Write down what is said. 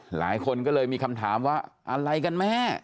หลายคนก็เลยมีคำถามว่าอะไรกันแม่